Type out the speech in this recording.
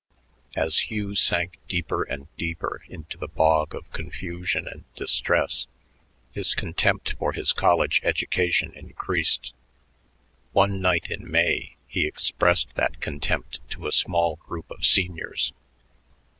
As Hugh sank deeper and deeper into the bog of confusion and distress, his contempt for his college "education" increased. One night in May he expressed that contempt to a small group of seniors.